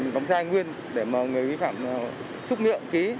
đóng da nguyên để người vi phạm chúc miệng ký